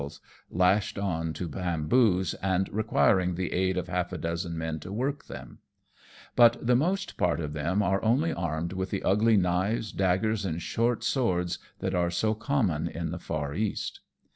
231 gingals lashed on to bamboos, and requiring the aid of half a dozen men to Work them ; but the most part of them are only armed with the ugly knives^ daggers and short swords that are so common in the far East.